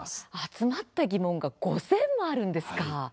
集まった疑問が５０００もあるんですか。